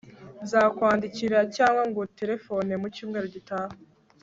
nzakwandikira cyangwa nguterefona mu cyumweru gitaha